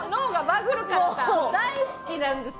もう大好きなんですよ。